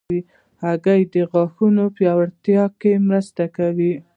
هګۍ د غاښونو پیاوړتیا کې مرسته کوي.